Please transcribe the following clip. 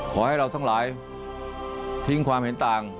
ขอให้เราทั้งหลายทิ้งความเห็นต่าง